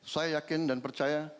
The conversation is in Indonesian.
saya yakin dan percaya